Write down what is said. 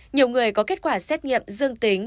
nhiều người có kết quả xét nghiệm dương tính